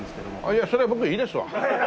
いやそれは僕いいですわ。